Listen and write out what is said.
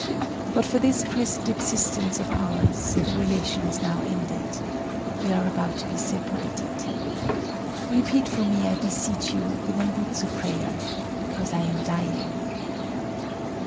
But for this present existence of ours, the relation is now ended;—we are about to be separated. Repeat for me, I beseech you, the Nembutsu prayer,—because I am dying."